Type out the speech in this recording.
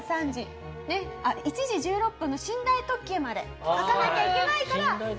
あっ１時１６分の寝台特急まで書かなきゃいけないから。